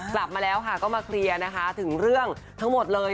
กลับมาแล้วค่ะก็มาเคลียร์นะคะถึงเรื่องทั้งหมดเลย